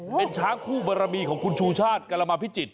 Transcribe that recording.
เป็นช้างคู่บรมีของคุณชูชาติกรมาพิจิตร